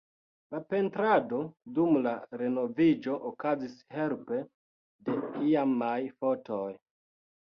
La pentrado dum la renoviĝo okazis helpe de iamaj fotoj.